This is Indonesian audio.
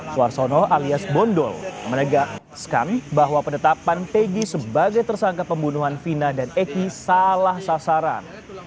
suarsono alias bondol menegaskan bahwa penetapan pg sebagai tersangka pembunuhan vina dan eki salah sasaran